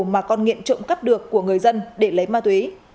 mà con nghiện trộm cắp được của người dân để lấy ma túy